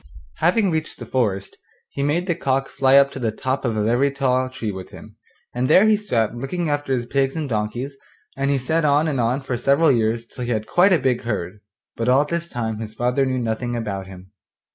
Having reached the forest he made the cock fly up to the top of a very tall tree with him, and there he sat looking after his pigs and donkeys, and he sat on and on for several years till he had quite a big herd; but all this time his father knew nothing about him.